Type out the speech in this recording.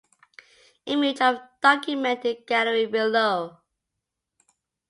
Image of document in gallery below.